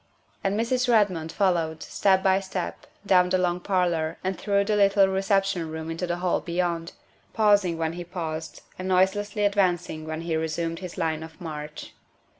And Mrs. Redmond followed, step by step, down the long parlor and through the little reception room into the hall beyond, pausing when he paused and noiselessly advancing when he resumed his line of march.